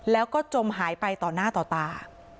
แล้วก็จมหายไปต่อหน้าต่อตา